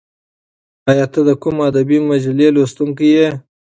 ایا ته د کوم ادبي مجلې لوستونکی یې؟